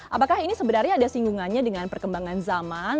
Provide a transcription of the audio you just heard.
apakah ini sebenarnya ada singgungannya dengan perkembangan zaman